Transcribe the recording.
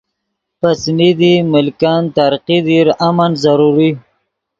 پے څیمی دی ملکن ترقی دیر امن ضروری